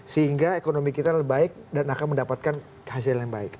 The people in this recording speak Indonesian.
sehingga ekonomi kita lebih baik dan akan mendapatkan hasil yang baik